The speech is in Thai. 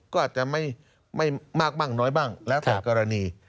ก็อาจจะไม่มากบ้างน้อยบ้างแล้วแต่กรณี